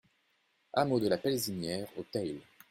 Hameau de la Pelzinière au Theil